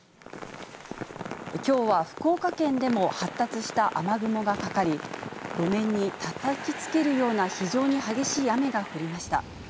きょうは福岡県でも、発達した雨雲がかかり、路面にたたきつけるような非常に激しい雨が降りました。